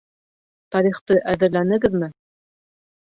— Тарихты әҙерләнегеҙме?